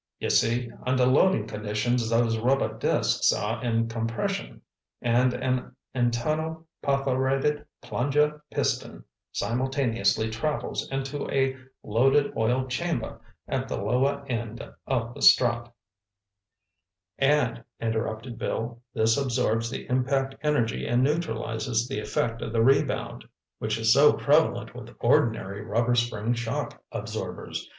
You see, under loading conditions, these rubber discs are in compression and an internal perforated plunger piston simultaneously travels into a loaded oil chamber at the lower end of the strut—" "And," interrupted Bill, "this absorbs the impact energy and neutralizes the effect of the rebound, which is so prevalent with the ordinary rubber spring shock absorbers.